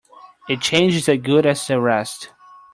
A change is as good as a rest.